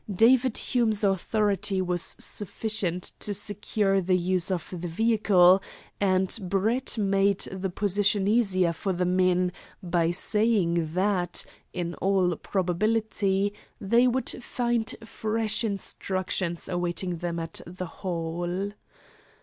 David Hume's authority was sufficient to secure the use of the vehicle, and Brett made the position easier for the men by saying that, in all probability, they would find fresh instructions awaiting them at the Hall.